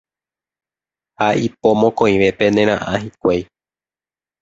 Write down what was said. Ha ipo mokõivépe nera'ã hikuái